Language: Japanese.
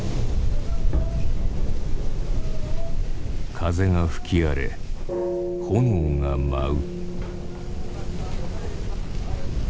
風が吹き荒れ炎が舞う。